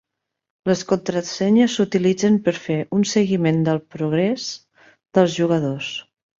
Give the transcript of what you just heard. Les contrasenyes s'utilitzen per fer un seguiment del progrés dels jugadors.